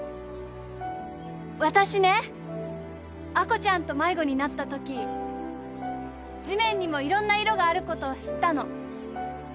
私ね亜子ちゃんと迷子になったとき地面にもいろんな色があることを知ったの。